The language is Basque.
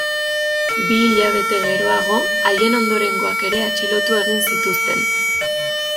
Bi hilabete geroago, haien ondorengoak ere atxilotu egin zituzten.